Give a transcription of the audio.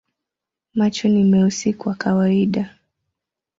Macho ni meusi kwa kawaida.